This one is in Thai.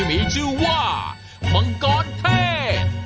มีชื่อว่ามังกรเทศ